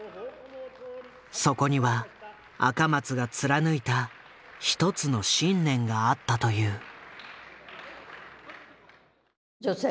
そこには赤松が貫いた一つの信念があったという。